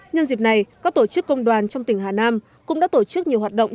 nhân dịp này các tổ chức công đoàn trong tỉnh hà nam cũng đã tổ chức nhiều hoạt động